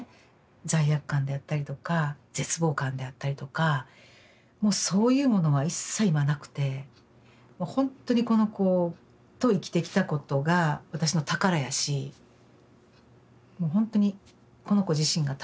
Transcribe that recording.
罪悪感であったりとか絶望感であったりとかもうそういうものは一切今なくてもうほんとにこの子と生きてきたことが私の宝やしもうほんとにこの子自身が宝なんですよね